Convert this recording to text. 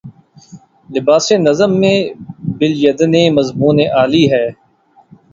لباسِ نظم میں بالیدنِ مضمونِ عالی ہے